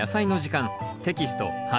テキスト８